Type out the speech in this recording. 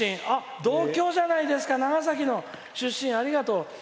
同郷じゃないですか長崎の出身、ありがとう。